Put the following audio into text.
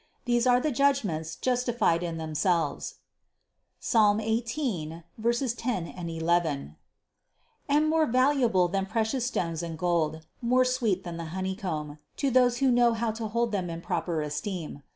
These are the judgments justified in themselves (Psalm 18, 10, 11) and more valuable than precious stones and gold, more sweet than the honeycomb, to those who know how to hold them in proper esteem.